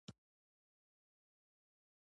زه د کړکۍ خواته کېناستم چې بس را ووت.